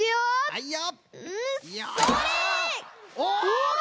はいよ！